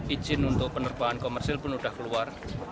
izin untuk penerbangan komersil pun sudah keluar